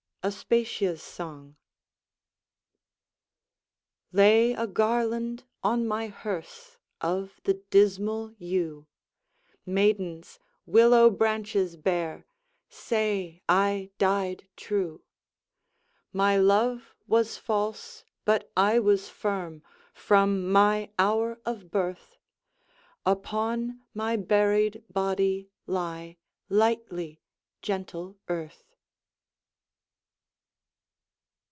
ASPATIA'S SONG Lay a garland on my hearse Of the dismal yew; Maidens, willow branches bear; Say I died true. My love was false, but I was firm From my hour of birth: Upon my buried body lie Lightly, gentle earth!